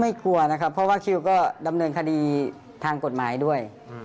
กลัวนะครับเพราะว่าคิวก็ดำเนินคดีทางกฎหมายด้วย